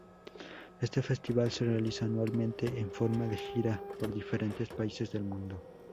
Este festival se realiza anualmente, en forma de gira por diferentes países del mundo.